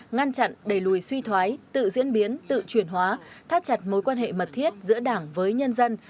ngăn chặn đẩy lùi suy thoái tự diễn biến tự chuyển hóa thắt chặt mối quan hệ mật thiết giữa đảng với nhân dân